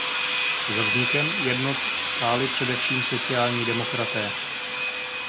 Za vznikem jednot stáli především sociální demokraté.